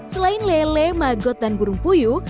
selain lele magot dan burung puyuh